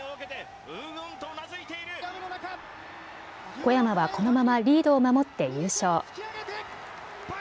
小山はこのままリードを守って優勝。